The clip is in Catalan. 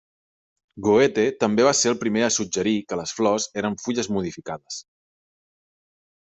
Goethe també va ser el primer a suggerir que les flors eren fulles modificades.